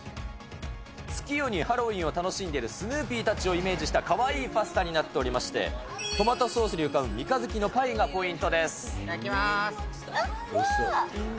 月夜にハロウィーンを楽しんでいるスヌーピーたちをイメージしたかわいいパスタになっておりまして、トマトソースに浮かぶ三日月いただきます。